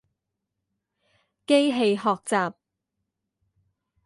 機器學習